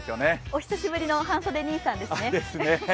お久しぶりの半袖兄さんですね。